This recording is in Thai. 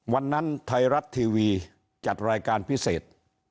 วันนั้นไทยรัฐทีวีจัดรายการพิเศษ